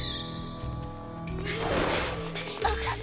あっ！